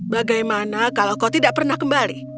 bagaimana kalau kau tidak pernah kembali